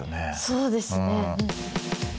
そうですね。